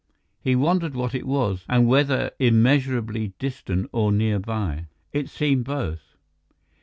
He wondered what it was, and whether immeasurably distant or near by— it seemed both.